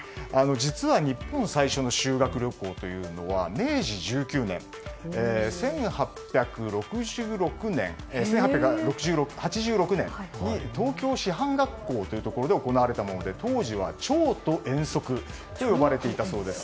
実は日本最初の修学旅行は明治１９年、１８８６年に東京師範学校というところで行われたもので、当時は長途遠足といわれていたそうです。